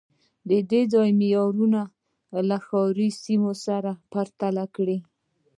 د دې ځای معیارونه له ښاري سیمو سره پرتله کړئ